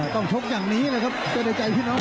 ต้องชกอย่างนี้เลยครับใจใจพี่น้อง